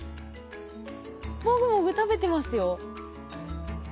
もぐもぐ食べてますよ。